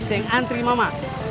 seng antri mama